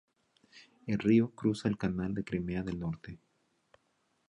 El río cruza el Canal de Crimea del Norte.